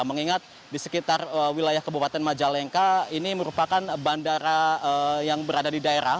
mengingat di sekitar wilayah kabupaten majalengka ini merupakan bandara yang berada di daerah